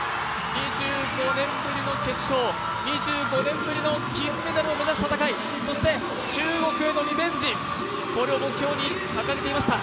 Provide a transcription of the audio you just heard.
２５年ぶりの決勝、２５年ぶりの金メダルを目指す戦い、そして、中国へのリベンジ、これを目標に掲げていました。